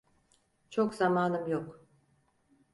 Çok zamanım yok.